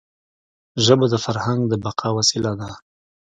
ژبه د فرهنګ د بقا وسیله ده.